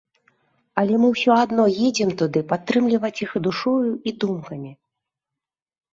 Але мы ўсё адно едзем туды падтрымліваць іх душою і думкамі.